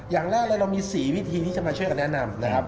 อย่างแรกเลยเรามี๔วิธีที่จะมาช่วยกันแนะนำนะครับ